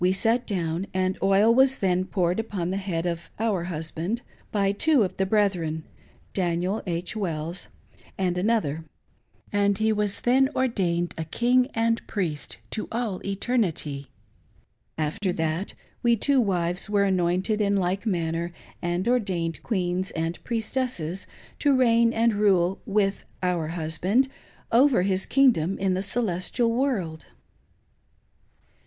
We sat down, and oil was then poured upon the head of our husband, by two of the brethren — Daniel H. Wells, and another — and he was then ordained a King and Priest to all eternity. After that, we two wives were anointed in like irianner, and ordained Queens and Priestesses, to reign and rule with our husband over his kingdom in the celestial world.